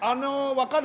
分かる。